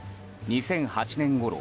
２００８年ごろ